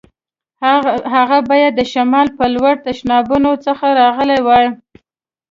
هغه باید د شمال په لور تشنابونو څخه راغلی وای.